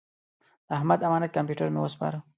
د احمد امانت کمپیوټر مې وسپاره.